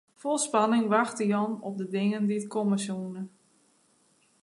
Fol spanning wachte Jan op de dingen dy't komme soene.